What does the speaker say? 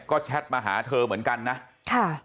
ก็แชทมาหาเธอเหมือนกันนะค่ะ